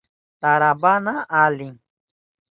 Tarawana alim.